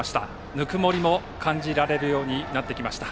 ぬくもりも感じられるようになってきました。